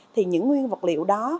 thì những nguyên vật liệu đó